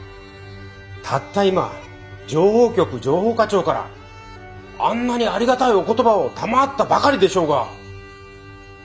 たった今情報局情報課長からあんなにありがたいお言葉を賜ったばかりでしょうが！